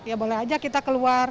ya boleh aja kita keluar